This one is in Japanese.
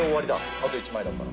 あと１枚だから。